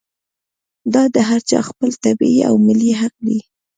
دا د هر چا خپل طبعي او ملي حق دی.